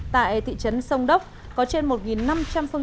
tại thị trấn sông đốc có trên một năm trăm linh phương tiện khai thác